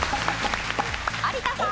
有田さん。